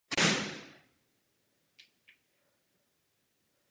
Se svou chorvatskou ženou mají tři děti.